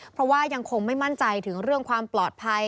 เพราะว่ายังคงไม่มั่นใจถึงเรื่องความปลอดภัย